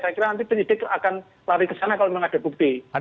saya kira nanti penyidik akan lari ke sana kalau memang ada bukti